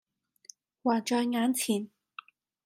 還在眼前。